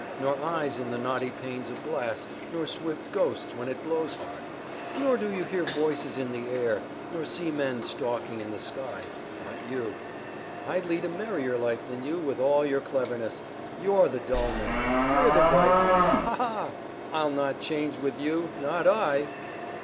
Nor eyes in the knotted panes of glass, nor swift ghosts when it blows hard, nor do you hear voices in the air, nor see men stalking in the sky not you. I lead a merrier life than you with all your cleverness. You're the dull men. We're the bright ones. Ha, ha! I'll not change with you, not I!"